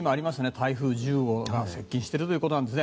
台風１０号が接近しているということなんですね。